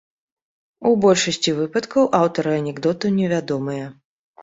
У большасці выпадкаў аўтары анекдотаў невядомыя.